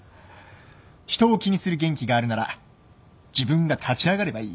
人を気にする元気があるなら自分が立ち上がればいい。